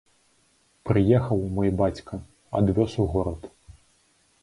Прыехаў мой бацька, адвёз у горад.